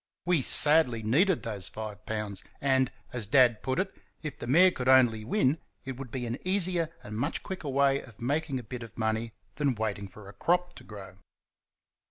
We sadly needed those five pounds, and, as Dad put it, if the mare could only win, it would be an easier and much quicker way of making a bit of money than waiting for a crop to grow.